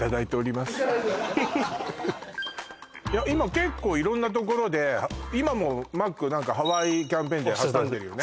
今結構色んなところで今もマックハワイキャンペーンで挟んでるよね